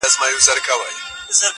ښه موده کيږي چي هغه مجلس ته نه ورځمه